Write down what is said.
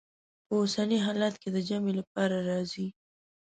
په اوسني حالت کې د جمع لپاره راځي.